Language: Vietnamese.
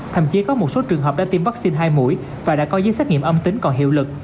thậm chí có một số trường hợp đã tiêm vaccine hai mũi và đã có giấy xét nghiệm âm tính còn hiệu lực